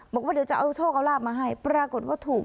บอกว่าเดี๋ยวจะเอาโชคเอาลาบมาให้ปรากฏว่าถูก